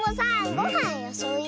ごはんよそうよ。